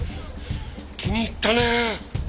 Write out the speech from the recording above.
気に入ったね！